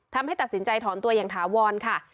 ทำให้ตัดสินใจถอนตัวอย่างถาวรค่ะ